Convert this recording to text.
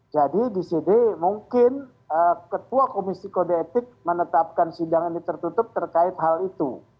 jadi di sini mungkin ketua komisi kode etik menetapkan sidang ini tertutup terkait hal itu